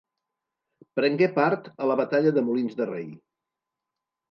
Prengué part a la batalla de Molins de Rei.